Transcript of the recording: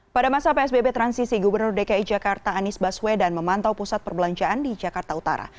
pada masa psbb transisi gubernur dki jakarta anies baswedan memantau pusat perbelanjaan di jakarta utara